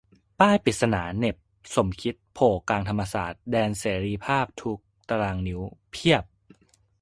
ป้ายปริศนา เหน็บ "สมคิด" โผล่กลางธรรมศาสตร์ แดนเสรีภาพทุกตารางนิ้ว เพียบ !